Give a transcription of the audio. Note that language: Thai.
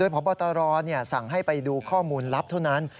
พบตรสั่งให้ไปดูข้อมูลลับเท่านั้น